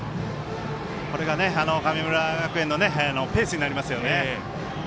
これが神村学園のペースになりますよね。